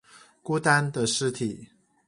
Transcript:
孤單的屍體